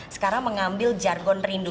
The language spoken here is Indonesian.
sekarang mengambil jargon rindu